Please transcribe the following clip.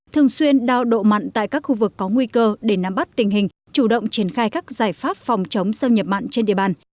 thường xuyên đao độ mặn tại các khu vực có nguy cơ để nắm bắt tình hình chủ động triển khai các giải pháp phòng chống xâm nhập mặn trên địa bàn